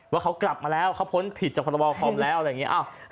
ว่าเขากลับมาแล้วเขาพ้นผิดจากพรบคอมแล้วอะไรอย่างนี้